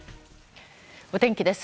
お天気です。